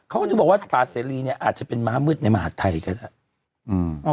เขาก็ถึงบอกว่าป่าเสรีเนี่ยอาจจะเป็นม้ามืดในมหาดไทยก็ได้